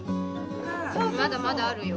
まだまだあるよ。